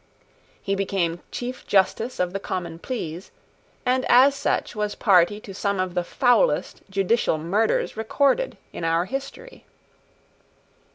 He became Chief Justice of the Common Pleas, and as such was party to some of the foulest judicial murders recorded in our history.